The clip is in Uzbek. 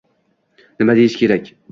Nima deyish kerak?